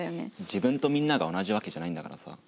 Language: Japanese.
自分とみんなが同じわけじゃないんだからさ。